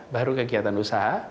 baru kegiatan usaha